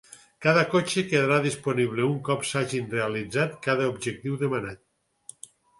Cada cotxe quedarà disponible un cop s'hagin realitzat cada objectiu demanant.